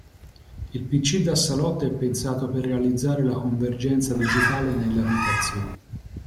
Il pc da salotto è pensato per realizzare la convergenza digitale nelle abitazioni.